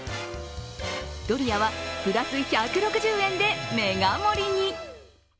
ドリアは、プラス１６０円でメガ盛りに。